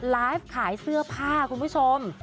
ไลฟ์ขายเสื้อผ้าคุณผู้ชม